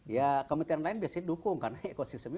ya kementerian lain biasanya dukung karena ekosistemnya